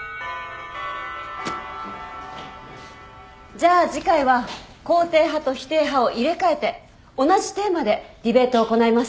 じゃあ次回は肯定派と否定派を入れ替えて同じテーマでディベートを行います。